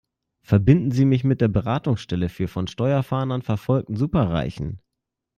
Verbinden Sie mich mit der Beratungsstelle für von Steuerfahndern verfolgten Superreichen!